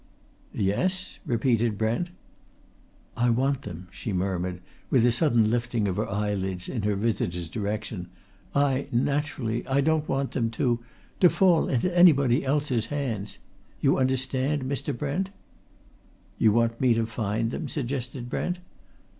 "Yes?" repeated Brent. "I want them," she murmured, with a sudden lifting of her eyelids in her visitor's direction. "I, naturally, I don't want them to to fall into anybody else's hands. You understand, Mr. Brent?" "You want me to find them?" suggested Brent.